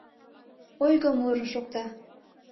Ойго муро шокта.